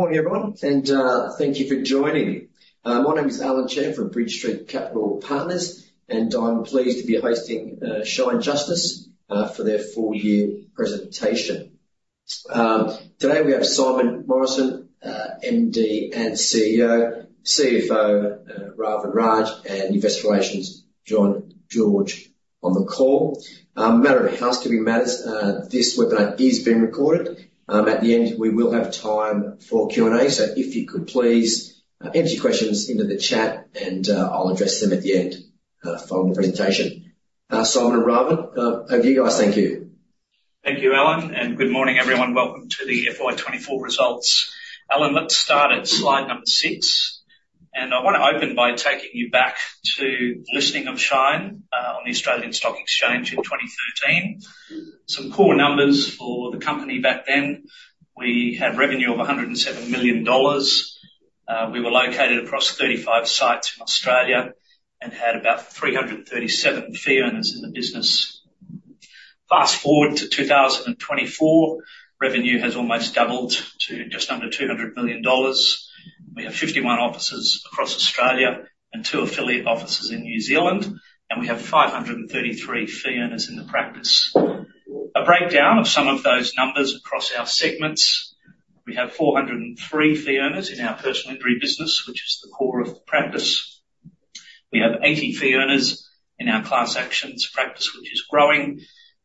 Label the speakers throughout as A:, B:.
A: Good morning, everyone, and thank you for joining. My name is Allen Chan from Bridge Street Capital Partners, and I'm pleased to be hosting Shine Justice for their full year presentation. Today we have Simon Morrison, MD and CEO, CFO, Ravin Raj, and investor relations, John George, on the call. Matter of housekeeping matters, this webinar is being recorded. At the end, we will have time for Q&A, so if you could please enter your questions into the chat, and I'll address them at the end, following the presentation. Simon and Ravin, over to you guys. Thank you.
B: Thank you, Allen, and good morning, everyone. Welcome to the FY 2024 results. Allen, let's start at slide number 6, and I want to open by taking you back to the listing of Shine on the Australian Stock Exchange in 2013. Some core numbers for the company back then, we had revenue of 107 million dollars. We were located across 35 sites in Australia and had about 337 fee earners in the business. Fast-forward to 2024, revenue has almost doubled to just under 200 million dollars. We have 51 offices across Australia and 2 affiliate offices in New Zealand, and we have 533 fee earners in the practice. A breakdown of some of those numbers across our segments, we have 403 fee earners in our personal injury business, which is the core of the practice. We have 80 fee earners in our class actions practice, which is growing,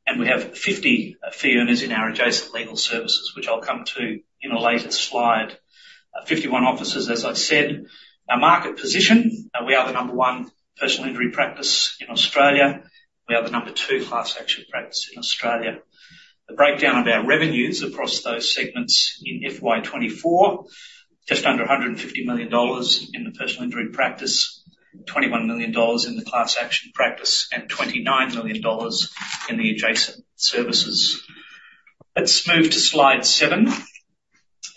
B: and we have 50 fee earners in our adjacent legal services, which I'll come to in a later slide. 51 offices, as I've said. Our market position, we are the number one personal injury practice in Australia. We are the number two class action practice in Australia. The breakdown of our revenues across those segments in FY 2024, just under 150 million dollars in the personal injury practice, 21 million dollars in the class action practice, and 29 million dollars in the adjacent services. Let's move to slide 7,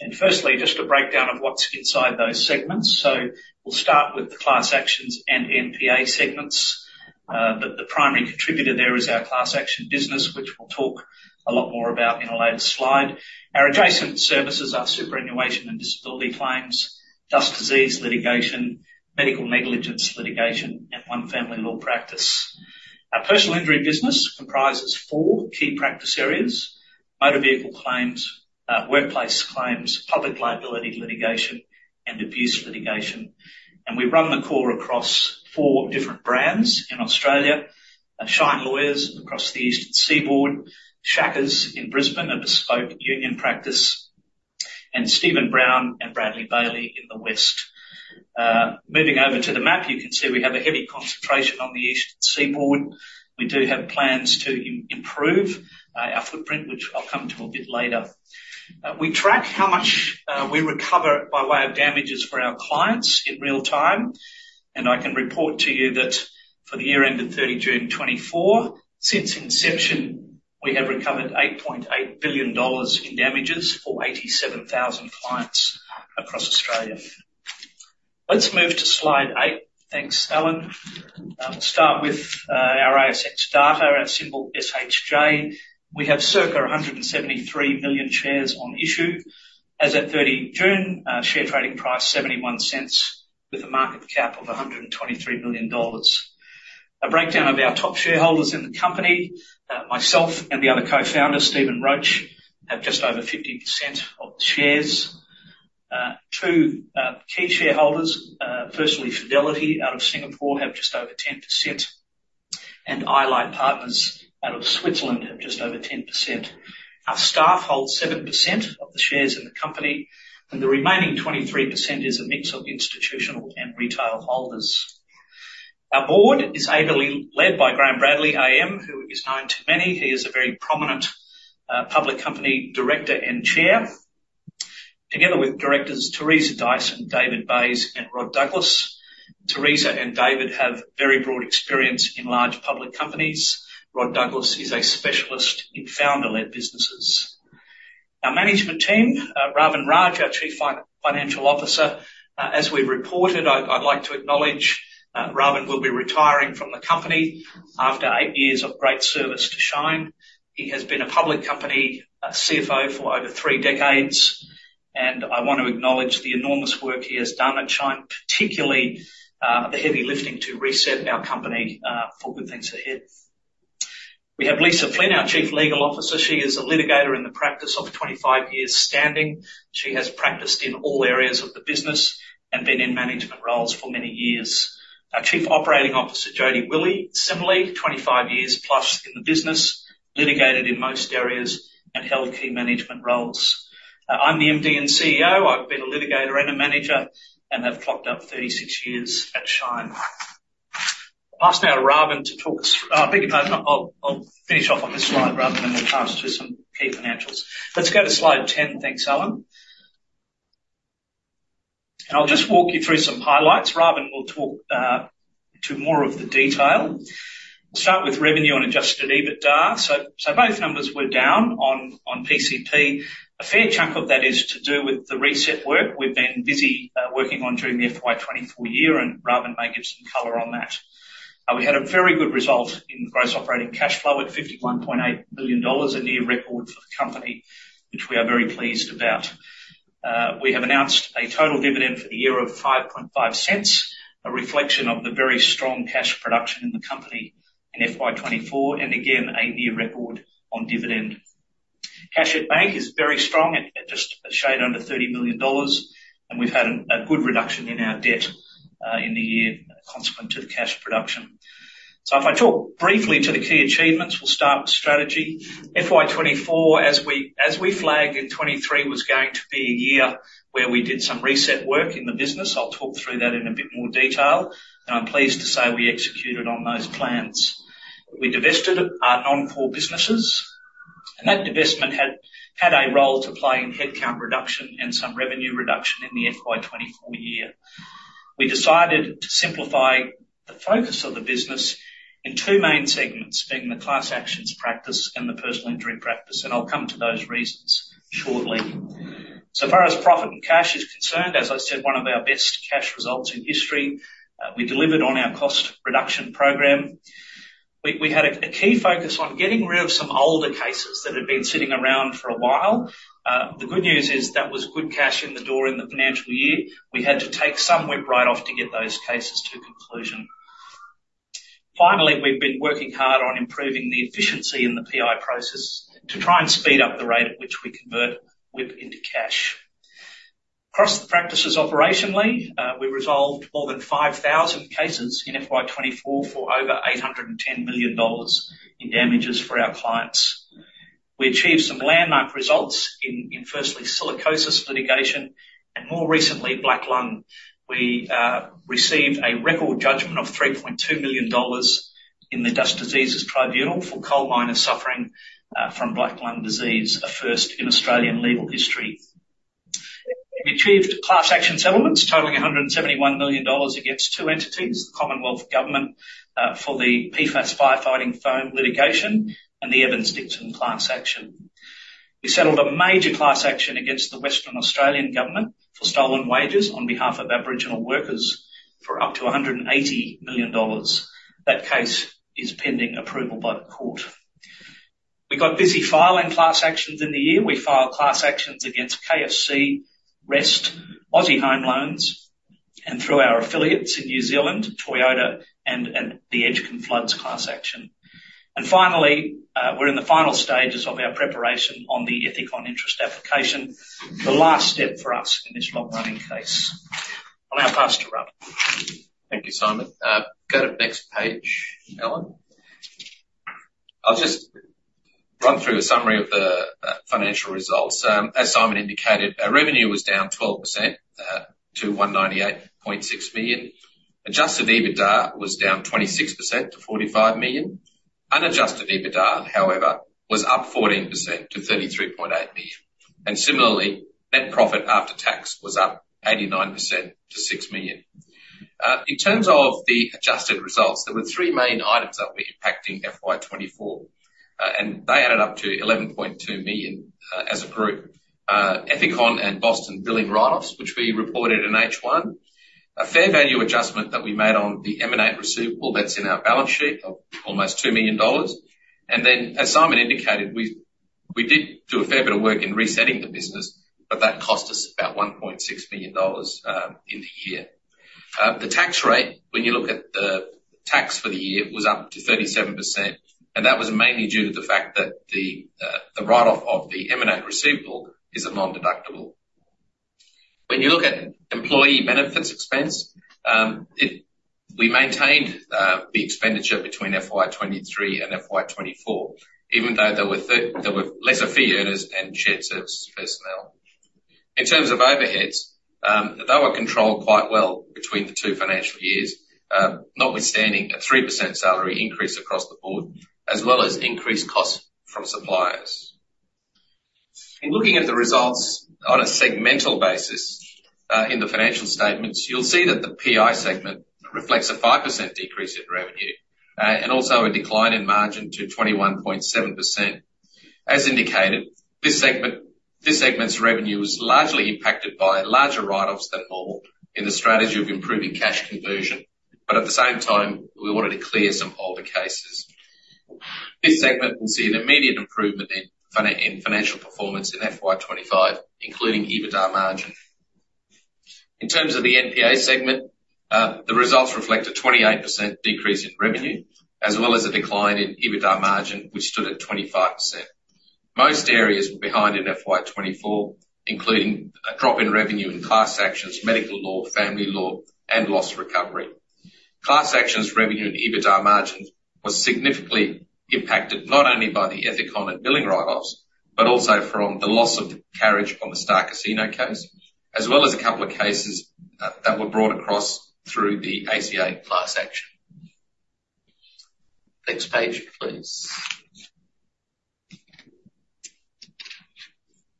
B: and firstly, just a breakdown of what's inside those segments. So we'll start with the class actions and NPA segments, but the primary contributor there is our class action business, which we'll talk a lot more about in a later slide. Our adjacent services are superannuation and disability claims, dust diseases litigation, medical negligence litigation, and one family law practice. Our personal injury business comprises four key practice areas: motor vehicle claims, workplace claims, public liability litigation, and abuse litigation. And we run the core across four different brands in Australia, Shine Lawyers across the eastern seaboard, Sciacca's in Brisbane, a bespoke union practice, and Stephen Browne and Bradley Bayly in the west. Moving over to the map, you can see we have a heavy concentration on the eastern seaboard. We do have plans to improve our footprint, which I'll come to a bit later. We track how much we recover by way of damages for our clients in real time, and I can report to you that for the year ending 30 June 2024, since inception, we have recovered 8.8 billion dollars in damages for 87,000 clients across Australia. Let's move to slide eight. Thanks, Allen. We'll start with our ASX data, our symbol SHJ. We have circa 173 million shares on issue. As at 30 June, share trading price 0.71, with a market cap of AUD 123 million. A breakdown of our top shareholders in the company, myself and the other co-founder, Stephen Roche, have just over 50% of the shares. Two key shareholders, firstly, Fidelity out of Singapore, have just over 10%, and Aline Partners out of Switzerland have just over 10%. Our staff holds 7% of the shares in the company, and the remaining 23% is a mix of institutional and retail holders. Our board is ably led by Graham Bradley AM, who is known to many. He is a very prominent public company director and chair, together with directors Theresa Dyson, David Bayes, and Rod Douglas. Theresa and David have very broad experience in large public companies. Rod Douglas is a specialist in founder-led businesses. Our management team, Ravin Raj, our Chief Financial Officer. As we've reported, I'd like to acknowledge, Ravin will be retiring from the company after eight years of great service to Shine. He has been a public company CFO for over three decades, and I want to acknowledge the enormous work he has done at Shine, particularly the heavy lifting to reset our company for good things ahead. We have Lisa Flynn, our Chief Legal Officer. She is a litigator in the practice of 25 years standing. She has practiced in all areas of the business and been in management roles for many years. Our Chief Operating Officer, Jodie Willey, similarly, 25 years plus in the business, litigated in most areas, and held key management roles. I'm the MD and CEO. I've been a litigator and a manager and have clocked up 36 years at Shine. I'll pass now to Ravin to talk us... I think I'll finish off on this slide, Ravin, and then pass through some key financials. Let's go to slide 10. Thanks, Allen. I'll just walk you through some highlights. Ravin will talk to more of the detail. Start with revenue on adjusted EBITDA. Both numbers were down on PCP. A fair chunk of that is to do with the reset work we've been busy working on during the FY 2024 year, and Ravin may give some color on that. We had a very good result in gross operating cash flow at 51.8 million dollars, a near record for the company, which we are very pleased about. We have announced a total dividend for the year of 0.055, a reflection of the very strong cash production in the company in FY 2024, and again, a year record on dividend. Cash at bank is very strong at just a shade under 30 million dollars, and we've had a good reduction in our debt in the year consequent to the cash production. If I talk briefly to the key achievements, we'll start with strategy. FY 2024, as we flagged in 2023, was going to be a year where we did some reset work in the business. I'll talk through that in a bit more detail, and I'm pleased to say we executed on those plans. We divested our non-core businesses, and that divestment had a role to play in headcount reduction and some revenue reduction in the FY 2024 year. We decided to simplify the focus of the business in two main segments, being the class actions practice and the personal injury practice, and I'll come to those reasons shortly. So far as profit and cash is concerned, as I said, one of our best cash results in history. We delivered on our cost reduction program. We had a key focus on getting rid of some older cases that had been sitting around for a while. The good news is that was good cash in the door in the financial year. We had to take some WIP write-off to get those cases to conclusion. Finally, we've been working hard on improving the efficiency in the PI process to try and speed up the rate at which we convert WIP into cash. Across the practices operationally, we resolved more than 5,000 cases in FY 2024 for over 810 million dollars in damages for our clients. We achieved some landmark results in firstly, silicosis litigation and more recently, black lung. We received a record judgment of 3.2 million dollars in the Dust Diseases Tribunal for coal miners suffering from black lung disease, a first in Australian legal history. We achieved class action settlements totaling 171 million dollars against two entities: the Commonwealth Government for the PFAS firefighting foam litigation and the Evans Dixon class action. We settled a major class action against the Western Australian Government for stolen wages on behalf of Aboriginal workers for up to 180 million dollars. That case is pending approval by the court. We got busy filing class actions in the year. We filed class actions against KFC, Rest, Aussie Home Loans, and through our affiliates in New Zealand, Toyota and the Edgecombe Floods class action. And finally, we're in the final stages of our preparation on the Ethicon interest application, the last step for us in this long-running case. I'll now pass to Raj.
C: Thank you, Simon. Go to the next page, Allen. I'll just run through a summary of the financial results. As Simon indicated, our revenue was down 12% to 198.6 million. Adjusted EBITDA was down 26% to 45 million. Unadjusted EBITDA, however, was up 14% to 33.8 million. And similarly, net profit after tax was up 89% to 6 million. In terms of the adjusted results, there were three main items that were impacting FY 2024, and they added up to 11.2 million as a group. Ethicon and Boston Scientific billing write-offs, which we reported in H1. A fair value adjustment that we made on the M&A receivable that's in our balance sheet of almost 2 million dollars. As Simon indicated, we did do a fair bit of work in resetting the business, but that cost us about 1.6 million dollars in the year. The tax rate, when you look at the tax for the year, was up to 37%, and that was mainly due to the fact that the write-off of the M receivable is a non-deductible. When you look at employee benefits expense, it. We maintained the expenditure between FY 2023 and FY 2024, even though there were lesser fee earners and shared service personnel. In terms of overheads, they were controlled quite well between the two financial years, notwithstanding a 3% salary increase across the board, as well as increased costs from suppliers. In looking at the results on a segmental basis, in the financial statements, you'll see that the PI segment reflects a 5% decrease in revenue, and also a decline in margin to 21.7%. As indicated, this segment, this segment's revenue was largely impacted by larger write-offs than normal in the strategy of improving cash conversion, but at the same time, we wanted to clear some older cases. This segment will see an immediate improvement in financial performance in FY 2025, including EBITDA margin. In terms of the NPA segment, the results reflect a 28% decrease in revenue, as well as a decline in EBITDA margin, which stood at 25%. Most areas were behind in FY 2024, including a drop in revenue in class actions, medical law, family law, and loss recovery. Class Actions revenue and EBITDA margin was significantly impacted, not only by the Ethicon and billing write-offs, but also from the loss of the carriage on the Star Casino case, as well as a couple of cases that were brought across through the ACA class action. Next page, please.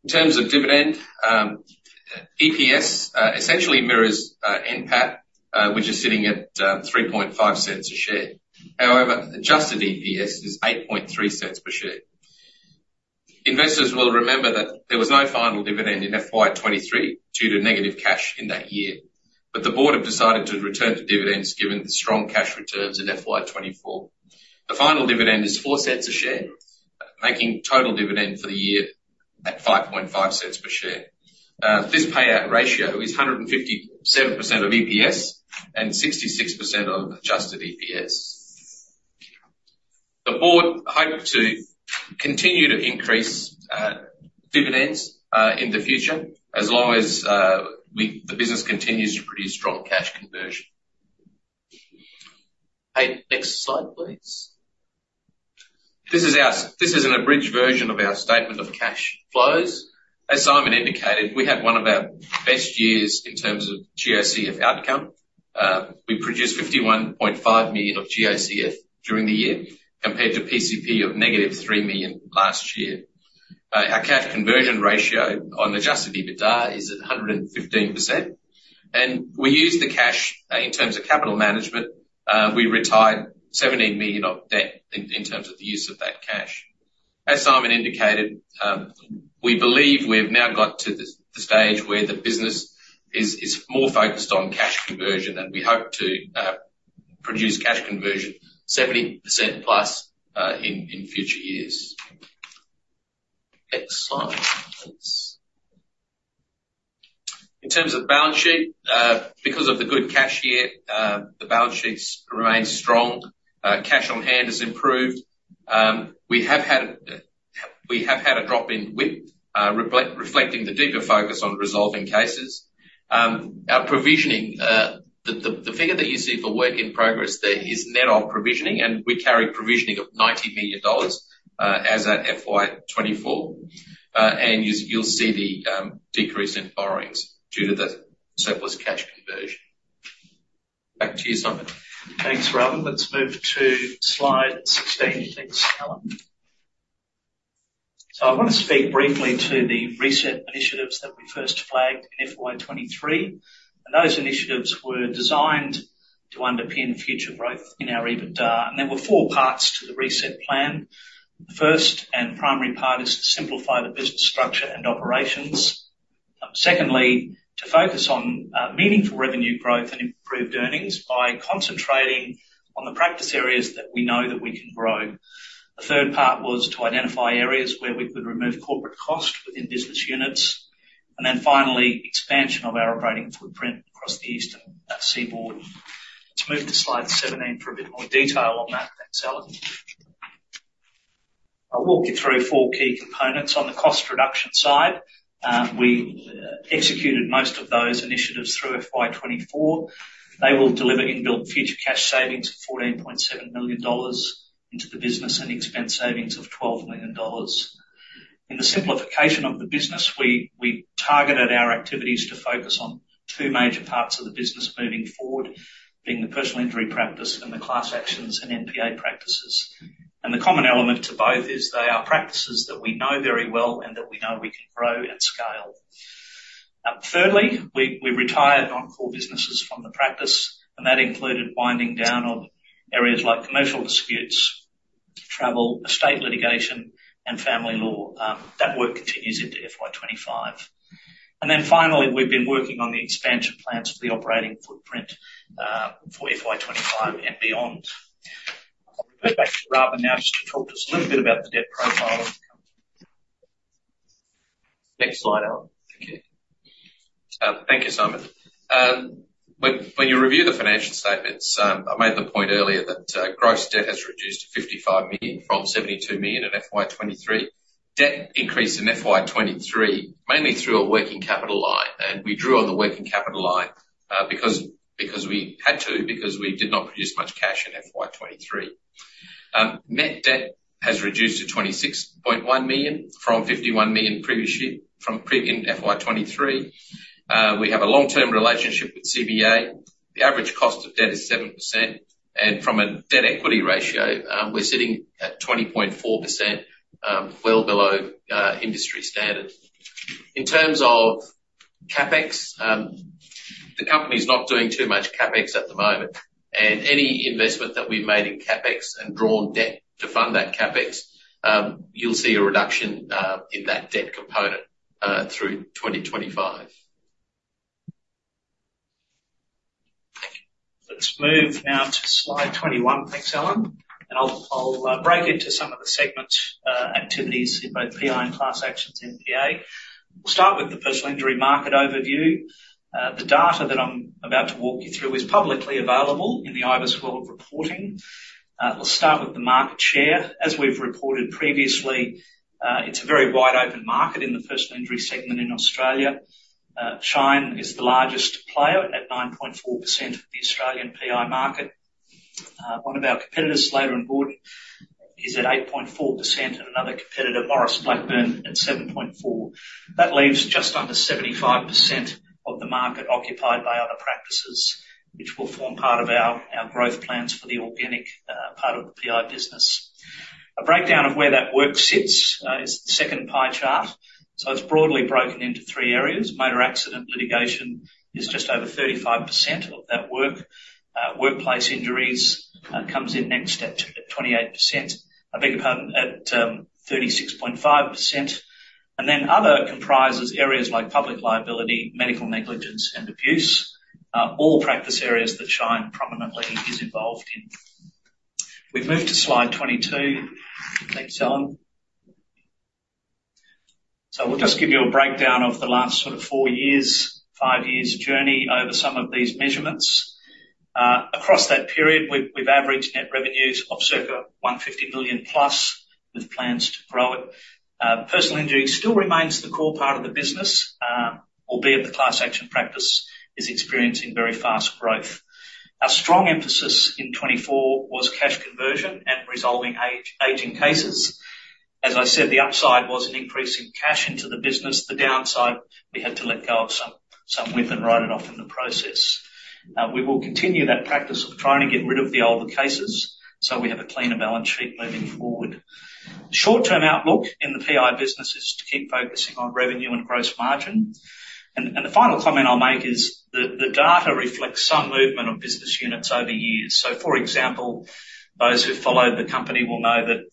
C: In terms of dividend, EPS essentially mirrors NPAT, which is sitting at 0.035 a share. However, adjusted EPS is 0.083 per share. Investors will remember that there was no final dividend in FY 2023 due to negative cash in that year.... But the board have decided to return the dividends, given the strong cash returns in FY 2024. The final dividend is 0.04 a share, making total dividend for the year at 0.055 per share. This payout ratio is 157% of EPS and 66% of adjusted EPS. The board hope to continue to increase dividends in the future, as long as we, the business continues to produce strong cash conversion. Hey, next slide, please. This is our abridged version of our statement of cash flows. As Simon indicated, we had one of our best years in terms of GOCF outcome. We produced 51.5 million of GOCF during the year, compared to PCP of negative 3 million last year. Our cash conversion ratio on adjusted EBITDA is at 115%, and we used the cash in terms of capital management. We retired 17 million of debt in terms of the use of that cash. As Simon indicated, we believe we've now got to the stage where the business is more focused on cash conversion, and we hope to produce cash conversion 70% plus in future years. Next slide, please. In terms of the balance sheet, because of the good cash year, the balance sheets remain strong. Cash on hand has improved. We have had a drop in WIP, reflecting the deeper focus on resolving cases. Our provisioning, the figure that you see for work in progress there is net of provisioning, and we carry provisioning of AUD 90 million as at FY 2024. And you, you'll see the decrease in borrowings due to the surplus cash conversion. Back to you, Simon.
B: Thanks, Ravin. Let's move to Slide 16, please, Allen. So I want to speak briefly to the reset initiatives that we first flagged in FY 2023, and those initiatives were designed to underpin future growth in our EBITDA, and there were four parts to the reset plan. The first and primary part is to simplify the business structure and operations. Secondly, to focus on meaningful revenue growth and improved earnings by concentrating on the practice areas that we know that we can grow. The third part was to identify areas where we could remove corporate cost within business units. And then finally, expansion of our operating footprint across the Eastern Seaboard. Let's move to Slide 17 for a bit more detail on that. Thanks, Allen. I'll walk you through four key components. On the cost reduction side, we executed most of those initiatives through FY 2024. They will deliver in-built future cash savings of 14.7 million dollars into the business and expense savings of 12 million dollars. In the simplification of the business, we targeted our activities to focus on two major parts of the business moving forward, being the personal injury practice and the class actions and NPA practices. And the common element to both is they are practices that we know very well and that we know we can grow and scale. Thirdly, we retired non-core businesses from the practice, and that included winding down of areas like commercial disputes, travel, estate litigation, and family law. That work continues into FY 2025. And then finally, we've been working on the expansion plans for the operating footprint for FY 2025 and beyond. I'll go back to Ravin now just to talk to us a little bit about the debt profile of the company. Next slide, Allen.
C: Thank you. Thank you, Simon. When you review the financial statements, I made the point earlier that gross debt has reduced to 55 million from 72 million in FY 2023. Debt increased in FY 2023, mainly through a working capital line, and we drew on the working capital line because we had to because we did not produce much cash in FY 2023. Net debt has reduced to 26.1 million from 51 million previous year in FY 2023. We have a long-term relationship with CBA. The average cost of debt is 7%, and from a debt equity ratio, we're sitting at 20.4%, well below industry standard. In terms of CapEx, the company's not doing too much CapEx at the moment, and any investment that we've made in CapEx and drawn debt to fund that CapEx, you'll see a reduction in that debt component through twenty twenty-five.
B: Let's move now to Slide twenty-one. Thanks, Allen, and I'll break into some of the segment activities in both PI and class actions NPA. We'll start with the personal injury market overview. The data that I'm about to walk you through is publicly available in the IbisWorld reporting. We'll start with the market share. As we've reported previously, it's a very wide-open market in the personal injury segment in Australia. Shine is the largest player at 9.4% of the Australian PI market. One of our competitors, Slater and Gordon, is at 8.4%, and another competitor, Maurice Blackburn, at 7.4%. That leaves just under 75% of the market occupied by other practices, which will form part of our growth plans for the organic part of the PI business. A breakdown of where that work sits is the second pie chart. It's broadly broken into three areas. Motor accident litigation is just over 35% of that work. Workplace injuries comes in next at twenty-eight percent. I beg your pardon, at thirty-six point five percent. And then other comprises areas like public liability, medical negligence, and abuse, all practice areas that Shine prominently is involved in. We've moved to slide 22. Thanks, Allen. We'll just give you a breakdown of the last sort of four years, five years journey over some of these measurements. Across that period, we've averaged net revenues of circa 150 million plus, with plans to grow it. Personal injury still remains the core part of the business, albeit the class action practice is experiencing very fast growth. Our strong emphasis in 2024 was cash conversion and resolving aging cases. As I said, the upside was an increase in cash into the business. The downside, we had to let go of some WIP and write it off in the process. We will continue that practice of trying to get rid of the older cases, so we have a cleaner balance sheet moving forward. The short-term outlook in the PI business is to keep focusing on revenue and gross margin. And the final comment I'll make is the data reflects some movement of business units over years. So for example, those who've followed the company will know that,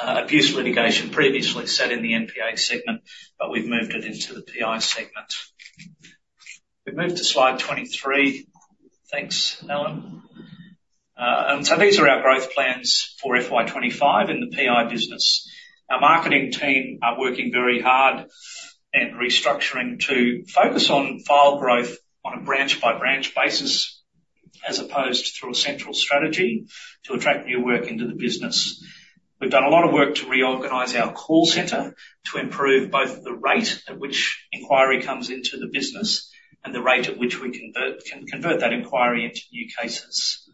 B: abuse litigation previously sat in the NPA segment, but we've moved it into the PI segment. We've moved to slide 23. Thanks, Allen. These are our growth plans for FY twenty-five in the PI business. Our marketing team are working very hard and restructuring to focus on file growth on a branch-by-branch basis, as opposed to through a central strategy to attract new work into the business. We've done a lot of work to reorganize our call center to improve both the rate at which inquiry comes into the business and the rate at which we convert, can convert that inquiry into new cases.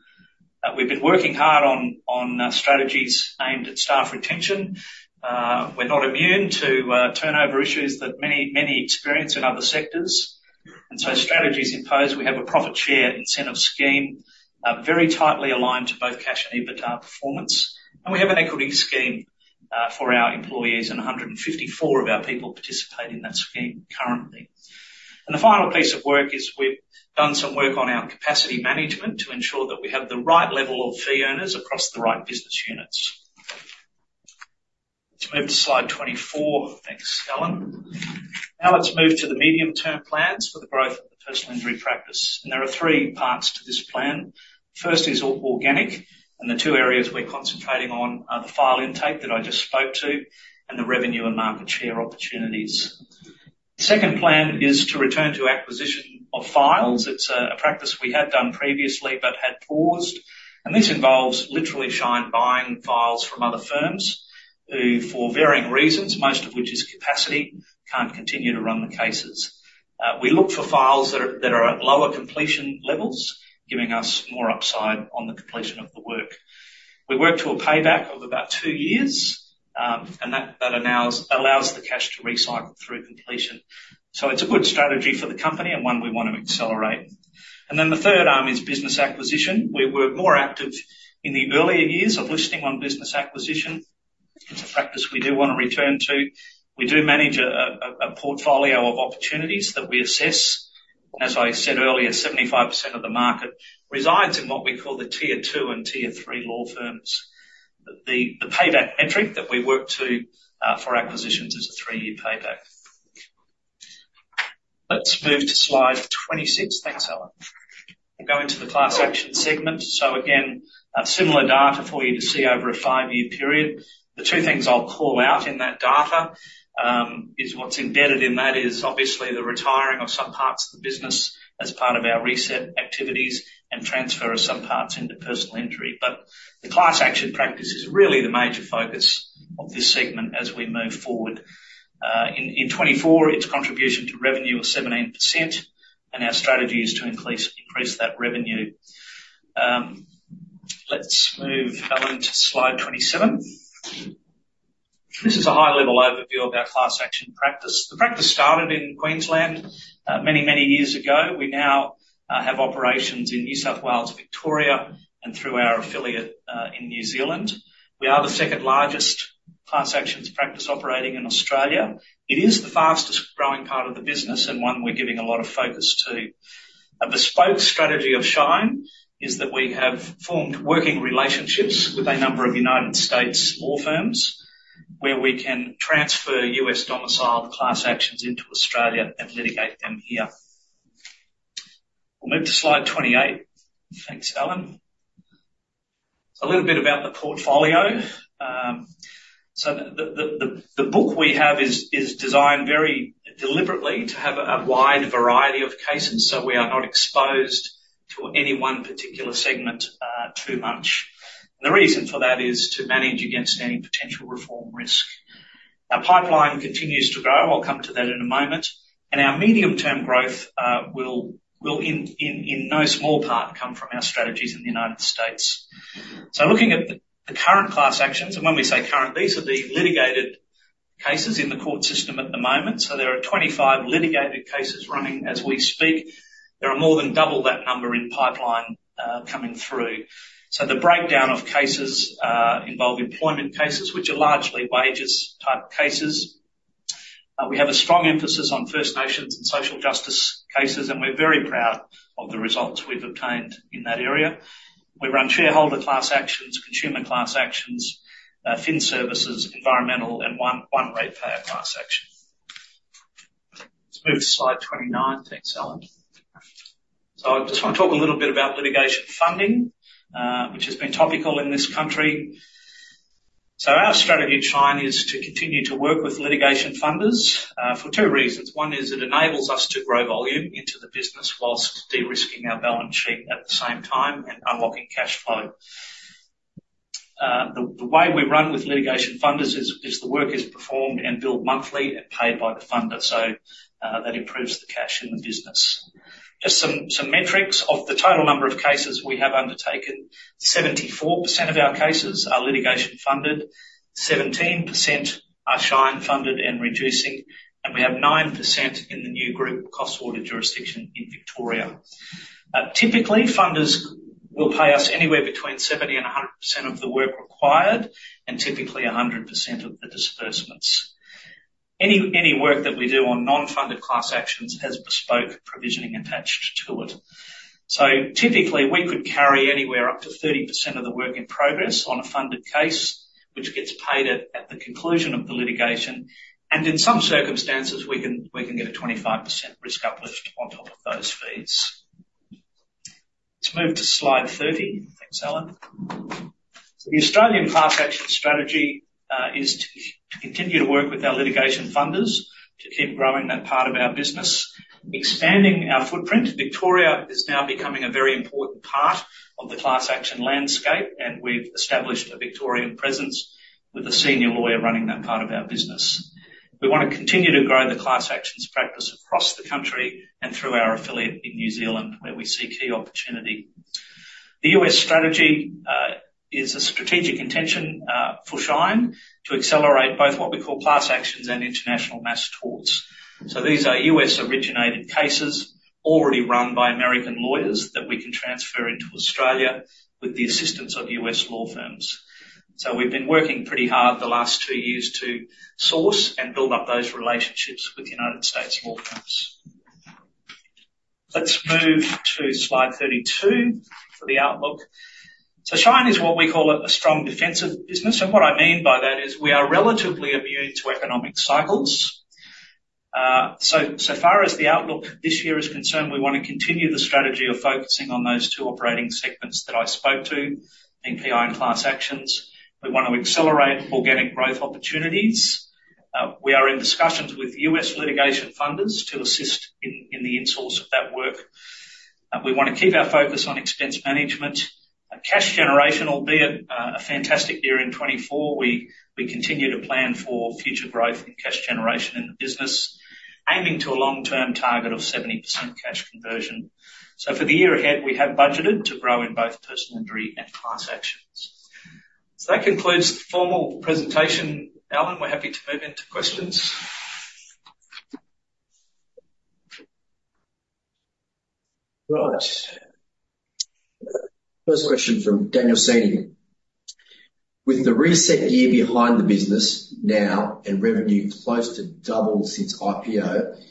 B: We've been working hard on strategies aimed at staff retention. We're not immune to turnover issues that many experience in other sectors, and so strategies in place, we have a profit share incentive scheme, very tightly aligned to both cash and EBITDA performance. We have an equity scheme for our employees, and 154 of our people participate in that scheme currently. The final piece of work is we've done some work on our capacity management to ensure that we have the right level of fee earners across the right business units. Let's move to slide 24. Thanks, Allen. Now, let's move to the medium-term plans for the growth of the personal injury practice. There are three parts to this plan. First is organic, and the two areas we're concentrating on are the file intake that I just spoke to and the revenue and market share opportunities. The second plan is to return to acquisition of files. It's a practice we had done previously but had paused, and this involves literally Shine buying files from other firms who, for varying reasons, most of which is capacity, can't continue to run the cases. We look for files that are at lower completion levels, giving us more upside on the completion of the work. We work to a payback of about two years, and that allows the cash to recycle through completion. So it's a good strategy for the company and one we want to accelerate. And then the third arm is business acquisition, where we're more active in the earlier years of listing on business acquisition. It's a practice we do want to return to. We do manage a portfolio of opportunities that we assess. As I said earlier, 75% of the market resides in what we call the tier two and tier three law firms. The payback metric that we work to for acquisitions is a three-year payback. Let's move to slide 26. Thanks, Allen. We'll go into the class action segment. So again, a similar data for you to see over a five-year period. The two things I'll call out in that data is what's embedded in that is obviously the retiring of some parts of the business as part of our reset activities and transfer of some parts into personal injury. But the class action practice is really the major focus of this segment as we move forward. In 2024, its contribution to revenue was 17%, and our strategy is to increase that revenue. Let's move, Allen, to slide 27. This is a high-level overview of our class action practice. The practice started in Queensland, many, many years ago. We now have operations in New South Wales, Victoria, and through our affiliate in New Zealand. We are the second largest class actions practice operating in Australia. It is the fastest growing part of the business and one we're giving a lot of focus to. A bespoke strategy of Shine is that we have formed working relationships with a number of United States law firms, where we can transfer US-domiciled class actions into Australia and litigate them here. We'll move to slide 28. Thanks, Allen. A little bit about the portfolio. So the book we have is designed very deliberately to have a wide variety of cases, so we are not exposed to any one particular segment too much. The reason for that is to manage against any potential reform risk. Our pipeline continues to grow. I'll come to that in a moment. Our medium-term growth will, in no small part, come from our strategies in the United States. Looking at the current class actions, and when we say current, these are the litigated cases in the court system at the moment. There are 25 litigated cases running as we speak. There are more than double that number in pipeline coming through. The breakdown of cases involve employment cases, which are largely wages-type cases. We have a strong emphasis on First Nations and social justice cases, and we're very proud of the results we've obtained in that area. We run shareholder class actions, consumer class actions, fin services, environmental, and one ratepayer class action. Let's move to slide 29. Thanks, Allen. So I just want to talk a little bit about litigation funding, which has been topical in this country. So our strategy at Shine is to continue to work with litigation funders, for two reasons. One is it enables us to grow volume into the business while de-risking our balance sheet at the same time and unlocking cash flow. The way we run with litigation funders is the work is performed and billed monthly and paid by the funder, so that improves the cash in the business. Just some metrics. Of the total number of cases we have undertaken, 74% of our cases are litigation funded, 17% are Shine funded and reducing, and we have 9% in the new group costs order jurisdiction in Victoria. Typically, funders will pay us anywhere between 70% and 100% of the work required and typically 100% of the disbursements. Any work that we do on non-funded class actions has bespoke provisioning attached to it, so typically, we could carry anywhere up to 30% of the work in progress on a funded case, which gets paid at the conclusion of the litigation, and in some circumstances, we can get a 25% risk uplift on top of those fees. Let's move to slide 30. Thanks, Allen. The Australian class action strategy is to continue to work with our litigation funders to keep growing that part of our business. Expanding our footprint, Victoria is now becoming a very important part of the class action landscape, and we've established a Victorian presence with a senior lawyer running that part of our business. We want to continue to grow the class actions practice across the country and through our affiliate in New Zealand, where we see key opportunity. The U.S. strategy is a strategic intention for Shine to accelerate both what we call class actions and international mass torts. So these are U.S.-originated cases already run by American lawyers that we can transfer into Australia with the assistance of U.S. law firms. So we've been working pretty hard the last two years to source and build up those relationships with United States law firms. Let's move to slide thirty-two for the outlook. So Shine is what we call a strong defensive business, and what I mean by that is we are relatively immune to economic cycles. So far as the outlook this year is concerned, we want to continue the strategy of focusing on those two operating segments that I spoke to, NPI and class actions. We want to accelerate organic growth opportunities. We are in discussions with U.S. litigation funders to assist in the insource of that work. We want to keep our focus on expense management. Cash generation, albeit a fantastic year in 2024, we continue to plan for future growth and cash generation in the business, aiming to a long-term target of 70% cash conversion. So for the year ahead, we have budgeted to grow in both personal injury and class actions. So that concludes the formal presentation. Allen, we're happy to move into questions.
A: Right. First question from Daniel Seeney. With the reset year behind the business now and revenue close to double since IPO,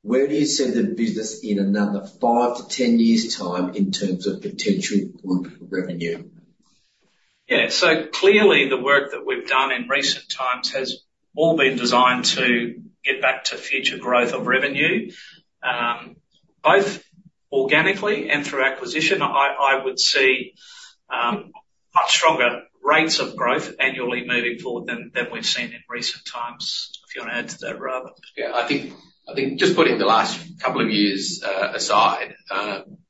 A: where do you see the business in another five to ten years' time in terms of potential group revenue?
B: Yeah. So clearly, the work that we've done in recent times has all been designed to get back to future growth of revenue, both organically and through acquisition. I would see much stronger rates of growth annually moving forward than we've seen in recent times. If you want to add to that, Ravin?
C: Yeah, I think just putting the last couple of years aside,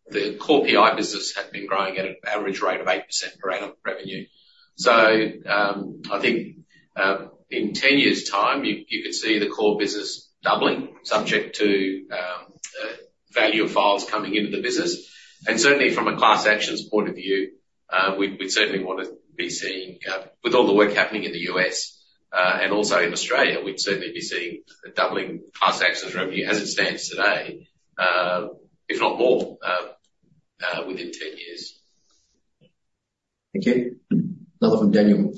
C: the core PI business had been growing at an average rate of 8% per annum revenue. So, I think, in 10 years' time, you could see the core business doubling, subject to value of files coming into the business. And certainly from a class actions point of view, we'd certainly want to be seeing, with all the work happening in the U.S., and also in Australia, we'd certainly be seeing a doubling class actions revenue as it stands today, if not more, within 10 years.
A: Thank you. Another from Daniel.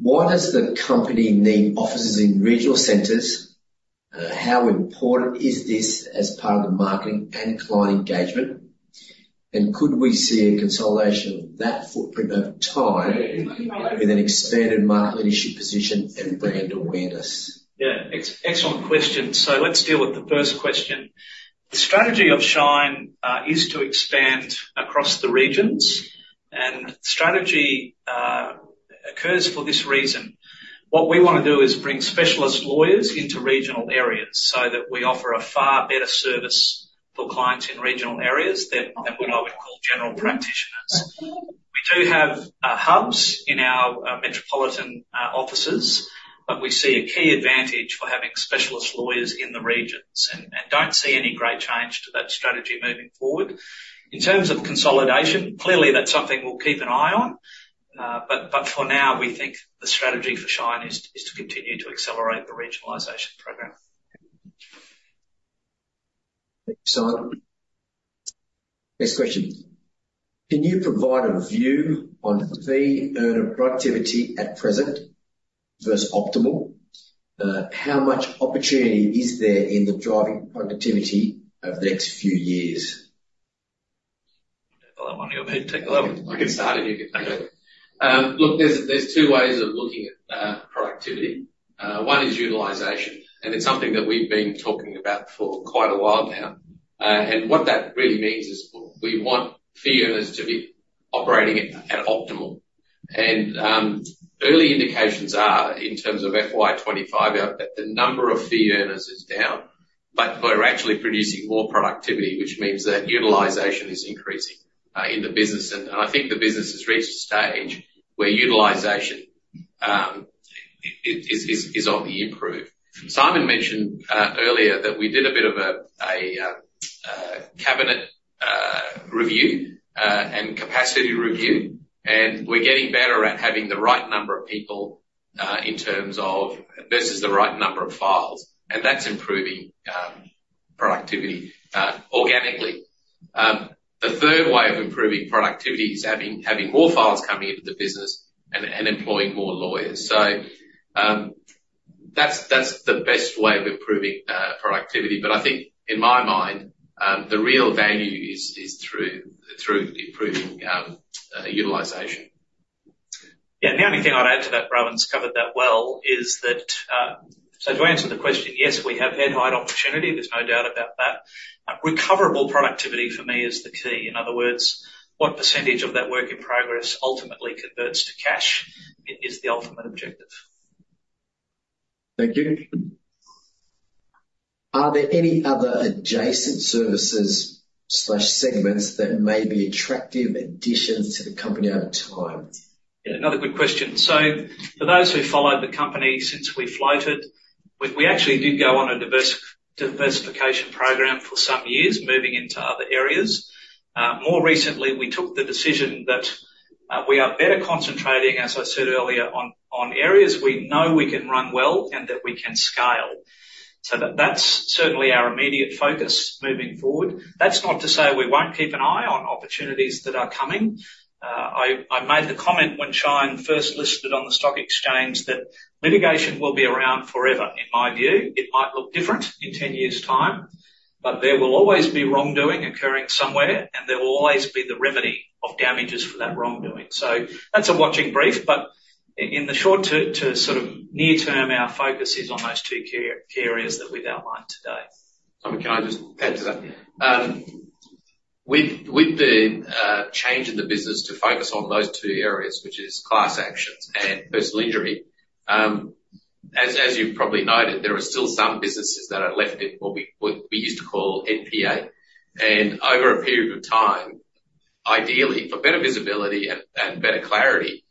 A: Why does the company need offices in regional centers? How important is this as part of the marketing and client engagement? And could we see a consolidation of that footprint over time with an expanded market leadership position and brand awareness?
B: Yeah, excellent question. So let's deal with the first question. The strategy of Shine is to expand across the regions, and strategy occurs for this reason: What we want to do is bring specialist lawyers into regional areas so that we offer a far better service for clients in regional areas than what I would call general practitioners. We do have hubs in our metropolitan offices, but we see a key advantage for having specialist lawyers in the regions and don't see any great change to that strategy moving forward. In terms of consolidation, clearly, that's something we'll keep an eye on, but for now, we think the strategy for Shine is to continue to accelerate the regionalization program.
A: Thank you, Simon. Next question: Can you provide a view on the earner productivity at present versus optimal? How much opportunity is there in the driving productivity over the next few years?
C: I can start and you can take over. Look, there's two ways of looking at productivity. One is utilization, and it's something that we've been talking about for quite a while now. And what that really means is we want fee earners to be operating at optimal. And early indications are, in terms of FY twenty-five, that the number of fee earners is down, but we're actually producing more productivity, which means that utilization is increasing in the business. And I think the business has reached a stage where utilization is on the improve. Simon mentioned earlier that we did a bit of a cabinet review and capacity review, and we're getting better at having the right number of people in terms of versus the right number of files, and that's improving productivity organically. The third way of improving productivity is having more files coming into the business and employing more lawyers. That's the best way of improving productivity. But I think in my mind, the real value is through improving utilization.
B: Yeah, the only thing I'd add to that, Ravin's covered that well, is that, so to answer the question, yes, we have head height opportunity, there's no doubt about that. Recoverable productivity, for me, is the key. In other words, what percentage of that work in progress ultimately converts to cash is the ultimate objective.
A: Thank you. Are there any other adjacent services slash segments that may be attractive additions to the company over time?
B: Yeah, another good question. So for those who followed the company since we floated, we actually did go on a diversification program for some years, moving into other areas. More recently, we took the decision that we are better concentrating, as I said earlier, on areas we know we can run well and that we can scale. So that's certainly our immediate focus moving forward. That's not to say we won't keep an eye on opportunities that are coming. I made the comment when Shine first listed on the stock exchange that litigation will be around forever, in my view. It might look different in ten years' time, but there will always be wrongdoing occurring somewhere, and there will always be the remedy of damages for that wrongdoing. So that's a watching brief, but in the short to sort of near term, our focus is on those two key areas that we've outlined today.
C: Simon, can I just add to that?
B: Yeah.
C: With the change in the business to focus on those two areas, which is class actions and personal injury, as you've probably noted, there are still some businesses that are left in what we used to call NPA. And over a period of time, ideally, for better visibility and better clarity,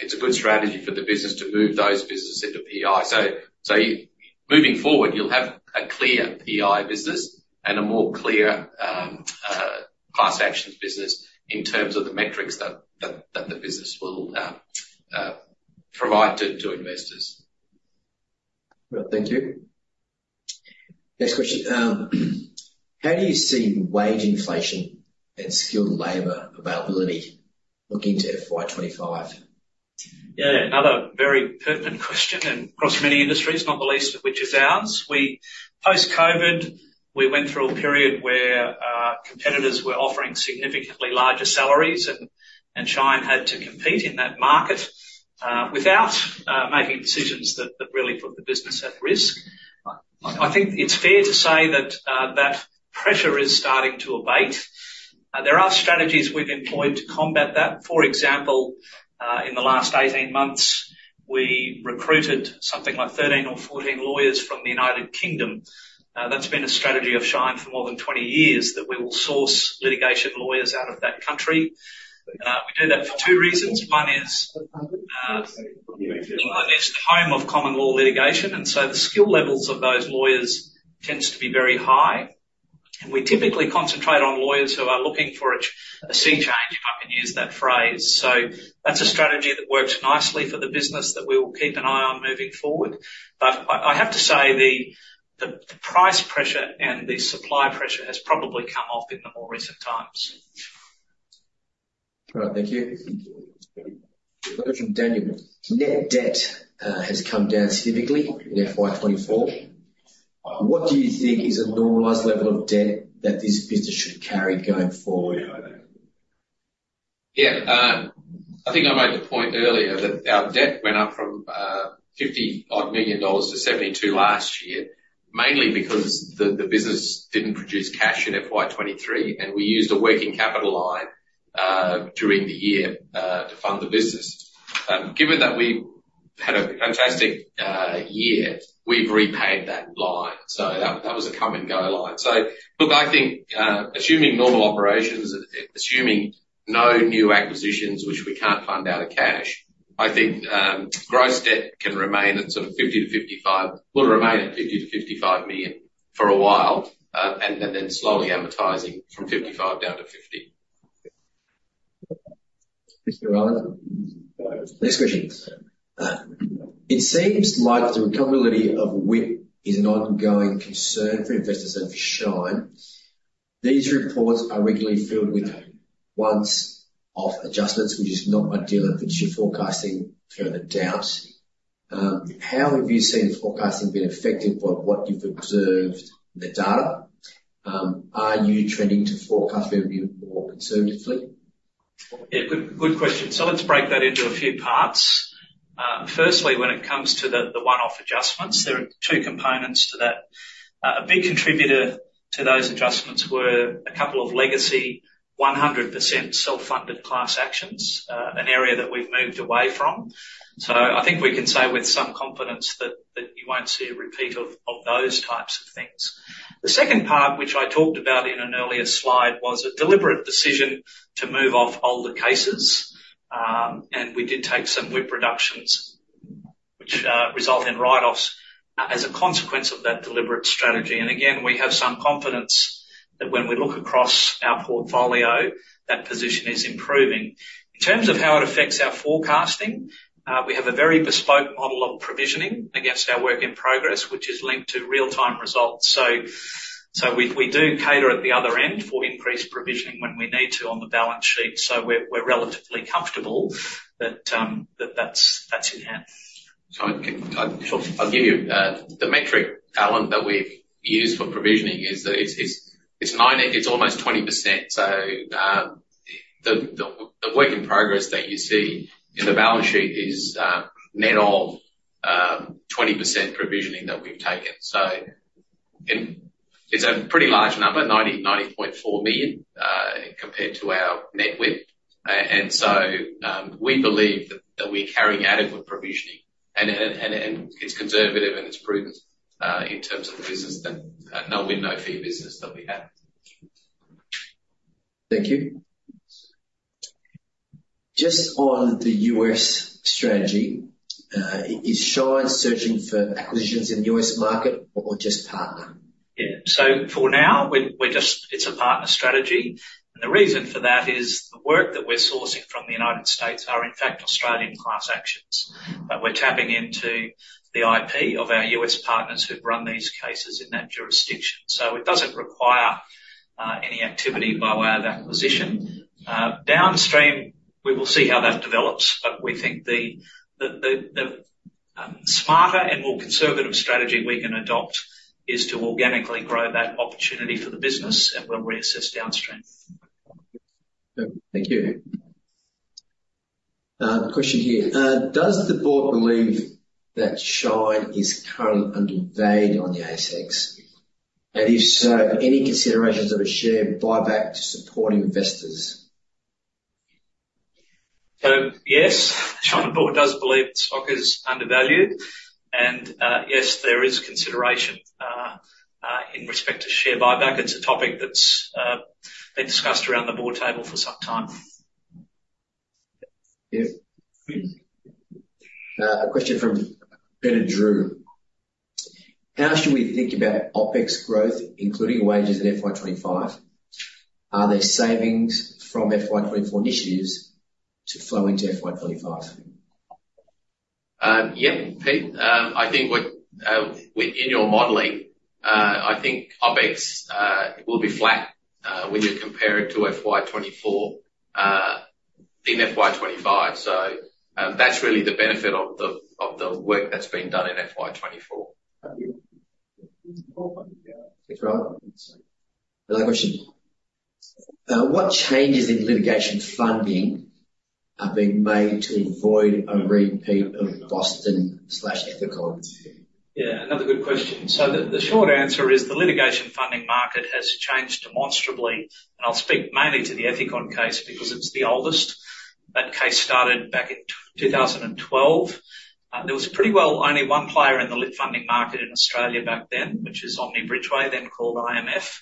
C: it's a good strategy for the business to move those businesses into PI. So moving forward, you'll have a clear PI business and a more clear class actions business in terms of the metrics that the business will provide to investors.
A: Thank you. Next question. How do you see wage inflation and skilled labor availability looking to FY twenty-five?
B: Yeah, another very pertinent question, and across many industries, not the least of which is ours. Post-COVID, we went through a period where competitors were offering significantly larger salaries, and Shine had to compete in that market without making decisions that really put the business at risk. I think it's fair to say that that pressure is starting to abate. There are strategies we've employed to combat that. For example, in the last 18 months, we recruited something like 13 or 14 lawyers from the United Kingdom. That's been a strategy of Shine for more than 20 years, that we will source litigation lawyers out of that country. We do that for two reasons. One is, it's the home of common law litigation, and so the skill levels of those lawyers tends to be very high. We typically concentrate on lawyers who are looking for a scene change, if I can use that phrase. So that's a strategy that works nicely for the business that we will keep an eye on moving forward. But I have to say, the price pressure and the supply pressure has probably come off in the more recent times.
A: All right. Thank you. From Daniel: Net debt has come down significantly in FY twenty-four. What do you think is a normalized level of debt that this business should carry going forward?
C: Yeah, I think I made the point earlier that our debt went up from 50-odd million dollars to 72 million last year, mainly because the business didn't produce cash in FY 2023, and we used a working capital line during the year to fund the business. Given that we've had a fantastic year, we've repaid that line, so that was a come and go line. So look, I think, assuming normal operations, and assuming no new acquisitions, which we can't fund out of cash, I think, gross debt can remain at sort of 50 to 55, will remain at 50-55 million for a while, and then slowly amortizing from 55 down to 50.
A: Next question. It seems like the recoverability of WIP is an ongoing concern for investors and for Shine. These reports are regularly filled with once-off adjustments, which is not ideal, and which are forecasting further doubts.... How have you seen forecasting been affected by what you've observed in the data? Are you trending to forecast maybe more conservatively?
B: Yeah, good, good question, so let's break that into a few parts. Firstly, when it comes to the one-off adjustments, there are two components to that. A big contributor to those adjustments were a couple of legacy 100% self-funded class actions, an area that we've moved away from. So I think we can say with some confidence that you won't see a repeat of those types of things. The second part, which I talked about in an earlier slide, was a deliberate decision to move off older cases, and we did take some WIP reductions, which result in write-offs, as a consequence of that deliberate strategy, and again, we have some confidence that when we look across our portfolio, that position is improving. In terms of how it affects our forecasting, we have a very bespoke model of provisioning against our work in progress, which is linked to real-time results. So we do cater at the other end for increased provisioning when we need to on the balance sheet, so we're relatively comfortable that that's in hand.
C: Sure. I'll give you the metric, Allen, that we've used for provisioning is that it's almost 20%, so the work in progress that you see in the balance sheet is net of 20% provisioning that we've taken. So it's a pretty large number, 90.4 million compared to our net WIP. And so we believe that we're carrying adequate provisioning, and it's conservative, and it's prudent in terms of the no win no fee business that we have.
A: Thank you. Just on the U.S. strategy, is Shine searching for acquisitions in the U.S. market or just partner?
B: Yeah. So for now, we're just, it's a partner strategy, and the reason for that is the work that we're sourcing from the United States are, in fact, Australian class actions, but we're tapping into the IP of our U.S. partners who've run these cases in that jurisdiction. So it doesn't require any activity by way of acquisition. Downstream, we will see how that develops, but we think the smarter and more conservative strategy we can adopt is to organically grow that opportunity for the business, and we'll reassess downstream.
A: Thank you. Question here. Does the board believe that Shine is currently undervalued on the ASX? And if so, any considerations of a share buyback to support investors?
B: Yes, Shine board does believe the stock is undervalued, and yes, there is consideration in respect to share buyback. It's a topic that's been discussed around the board table for some time.
A: Yeah. A question from Peter Drew: How should we think about OpEx growth, including wages in FY twenty-five? Are there savings from FY twenty-four initiatives to flow into FY twenty-five?
C: Yeah, Peter, I think within your modeling, I think OpEx will be flat when you compare it to FY 2024 in FY 2025. So, that's really the benefit of the work that's been done in FY 2024.
A: Another question. What changes in litigation funding are being made to avoid a repeat of Boston/Ethicon?
B: Yeah, another good question. So the short answer is the litigation funding market has changed demonstrably, and I'll speak mainly to the Ethicon case because it's the oldest. That case started back in two thousand and twelve. There was pretty well only one player in the lit funding market in Australia back then, which is Omni Bridgeway, then called IMF.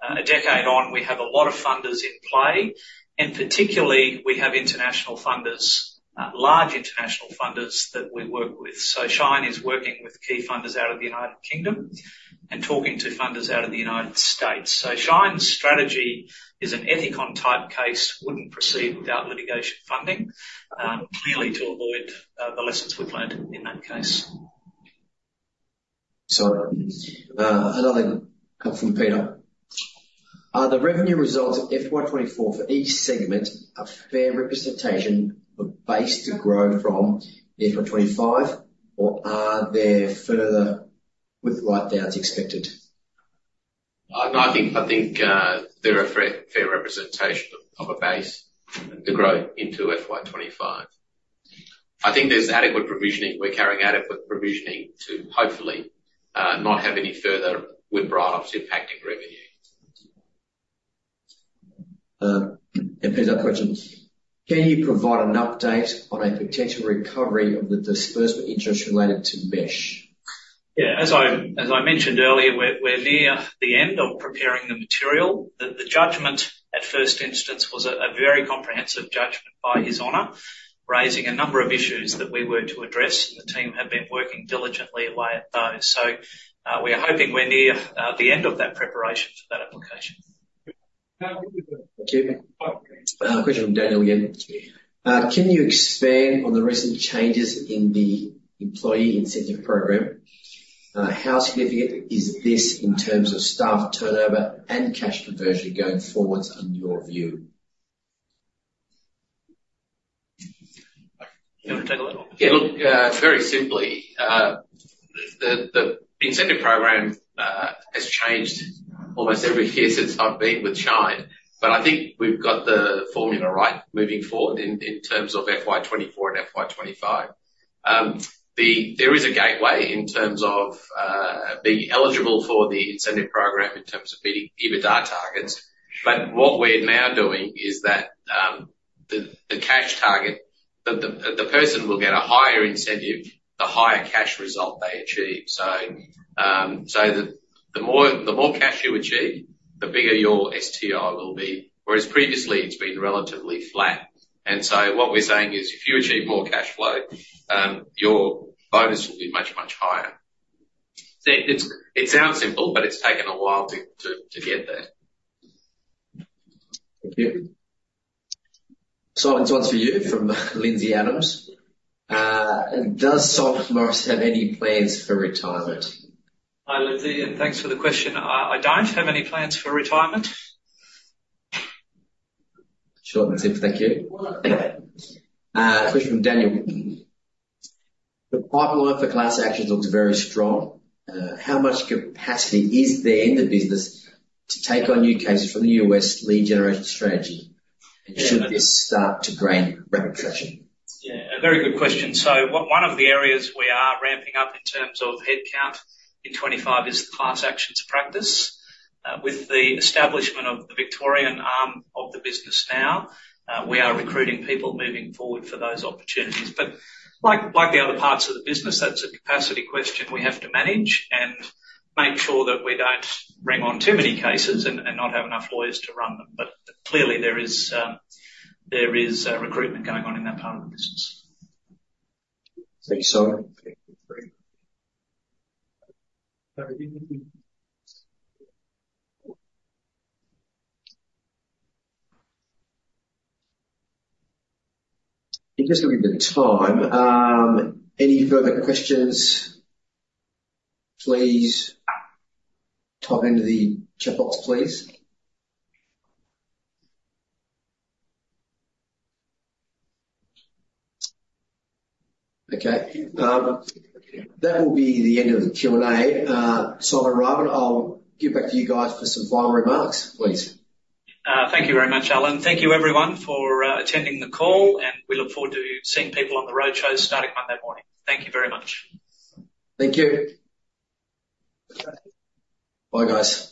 B: A decade on, we have a lot of funders in play, and particularly we have international funders, large international funders that we work with. So Shine is working with key funders out of the United Kingdom and talking to funders out of the United States. So Shine's strategy is an Ethicon-type case wouldn't proceed without litigation funding, clearly to avoid the lessons we've learned in that case.
A: So, another one from Peter: Are the revenue results FY 2024 for each segment a fair representation of base to grow from in FY 2025, or are there further write-downs expected?
C: I think they're a fair representation of a base to grow into FY 2025. I think there's adequate provisioning. We're carrying adequate provisioning to hopefully not have any further WIP write-offs impacting revenue.
A: Peter, question: Can you provide an update on a potential recovery of the disbursed interest related to Mesh?
B: Yeah, as I mentioned earlier, we're near the end of preparing the material. The judgment at first instance was a very comprehensive judgment by His Honor, raising a number of issues that we were to address, and the team have been working diligently away at those. So, we are hoping we're near the end of that preparation for that application.
A: Thank you. Question from Daniel Yen: Can you expand on the recent changes in the employee incentive program? How significant is this in terms of staff turnover and cash conversion going forwards, in your view?... You want to take a little?
C: Yeah, look, very simply, the incentive program has changed almost every year since I've been with Shine, but I think we've got the formula right moving forward in terms of FY 2024 and FY 2025. There is a gateway in terms of being eligible for the incentive program in terms of meeting EBITDA targets, but what we're now doing is that the cash target, the person will get a higher incentive, the higher cash result they achieve. So, so the more cash you achieve, the bigger your STI will be. Whereas previously, it's been relatively flat. And so what we're saying is, if you achieve more cash flow, your bonus will be much, much higher. It sounds simple, but it's taken a while to get there.
A: Thank you. Simon, one for you from Lindsay Adams. Does Simon Morrison have any plans for retirement?
B: Hi, Lindsay, and thanks for the question. I don't have any plans for retirement.
A: Sure, that's it. Thank you. Question from Daniel: The pipeline for class actions looks very strong. How much capacity is there in the business to take on new cases from the U.S. lead generation strategy, and should this start to ramp rapidly?
B: Yeah, a very good question. So one of the areas we are ramping up in terms of headcount in 2025 is the class actions practice. With the establishment of the Victorian arm of the business now, we are recruiting people moving forward for those opportunities. But like the other parts of the business, that's a capacity question we have to manage and make sure that we don't bring on too many cases and not have enough lawyers to run them. But clearly, there is recruitment going on in that part of the business.
A: Thank you, Simon. Just looking at the time, any further questions, please type into the chat box, please. Okay, that will be the end of the Q&A. Simon, Ravin, I'll get back to you guys for some final remarks, please.
B: Thank you very much, Allen. Thank you, everyone, for attending the call, and we look forward to seeing people on the roadshow starting Monday morning. Thank you very much.
A: Thank you. Bye, guys.